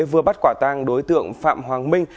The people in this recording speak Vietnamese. vừa bắt quả tang đối tượng phạm hoàng minh